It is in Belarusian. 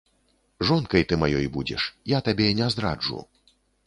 Жонкай ты маёй будзеш, я табе не здраджу.